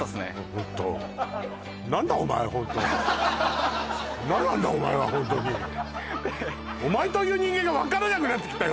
ホント何だお前ホント何なんだお前はホントにお前という人間が分からなくなってきたよ